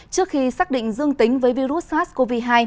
trước khi xác định dương tính với virus sars cov hai